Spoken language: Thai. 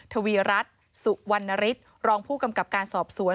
ทวีรัฐสุวรรณฤทธิ์รองผู้กำกับการสอบสวน